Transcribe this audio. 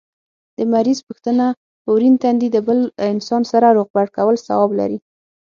د مریض پوښتنه په ورين تندي بل انسان سره روغبړ کول ثواب لري